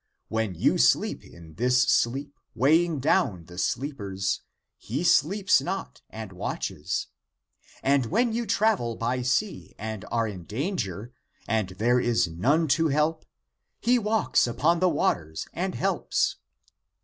When you sleep in this 1 Syriac : Xanlliippus. ACTS OF THOMAS 283 sleep weighing down the sleepers, he sleeps not and watches. And when you travel by sea and are in danger and there is none to help, he walks upon the waters and helps.